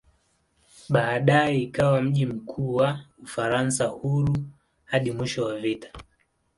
Baadaye ikawa mji mkuu wa "Ufaransa Huru" hadi mwisho wa vita.